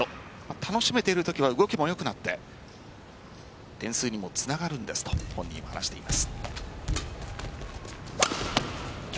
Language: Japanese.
楽しめているときは動きも良くなって点数にもつながるんですと本人は話しています。